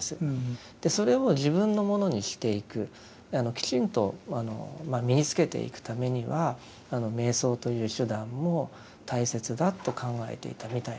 それを自分のものにしていくきちんと身につけていくためには瞑想という手段も大切だと考えていたみたいなんです。